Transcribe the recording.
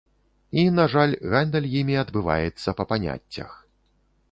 І, на жаль, гандаль імі адбываецца па паняццях.